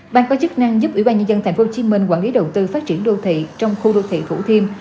bang có chức năng giúp ủy ban nhân dân tp hcm quản lý đầu tư phát triển đô thị trong khu đô thị thủ thiêm